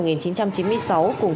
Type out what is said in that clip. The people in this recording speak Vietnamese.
cùng chú tải